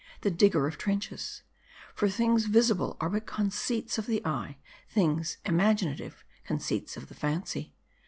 the digger of trenches ; for things visible are but conceits of the eye : things imaginative, conceits of the fancy.